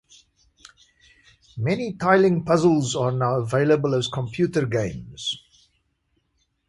Many tiling puzzles are now available as computer games.